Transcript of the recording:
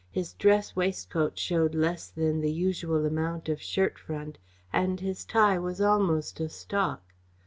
His dress waistcoat showed less than the usual amount of shirt front, and his tie was almost a stock.